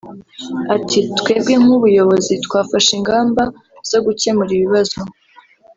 Ati” Twebwe nk’ubuyobozi twafashe ingamaba zo gukemura ibibazo